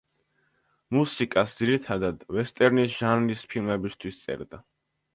მუსიკას ძირითადად ვესტერნის ჟანრის ფილმებისთვის წერდა.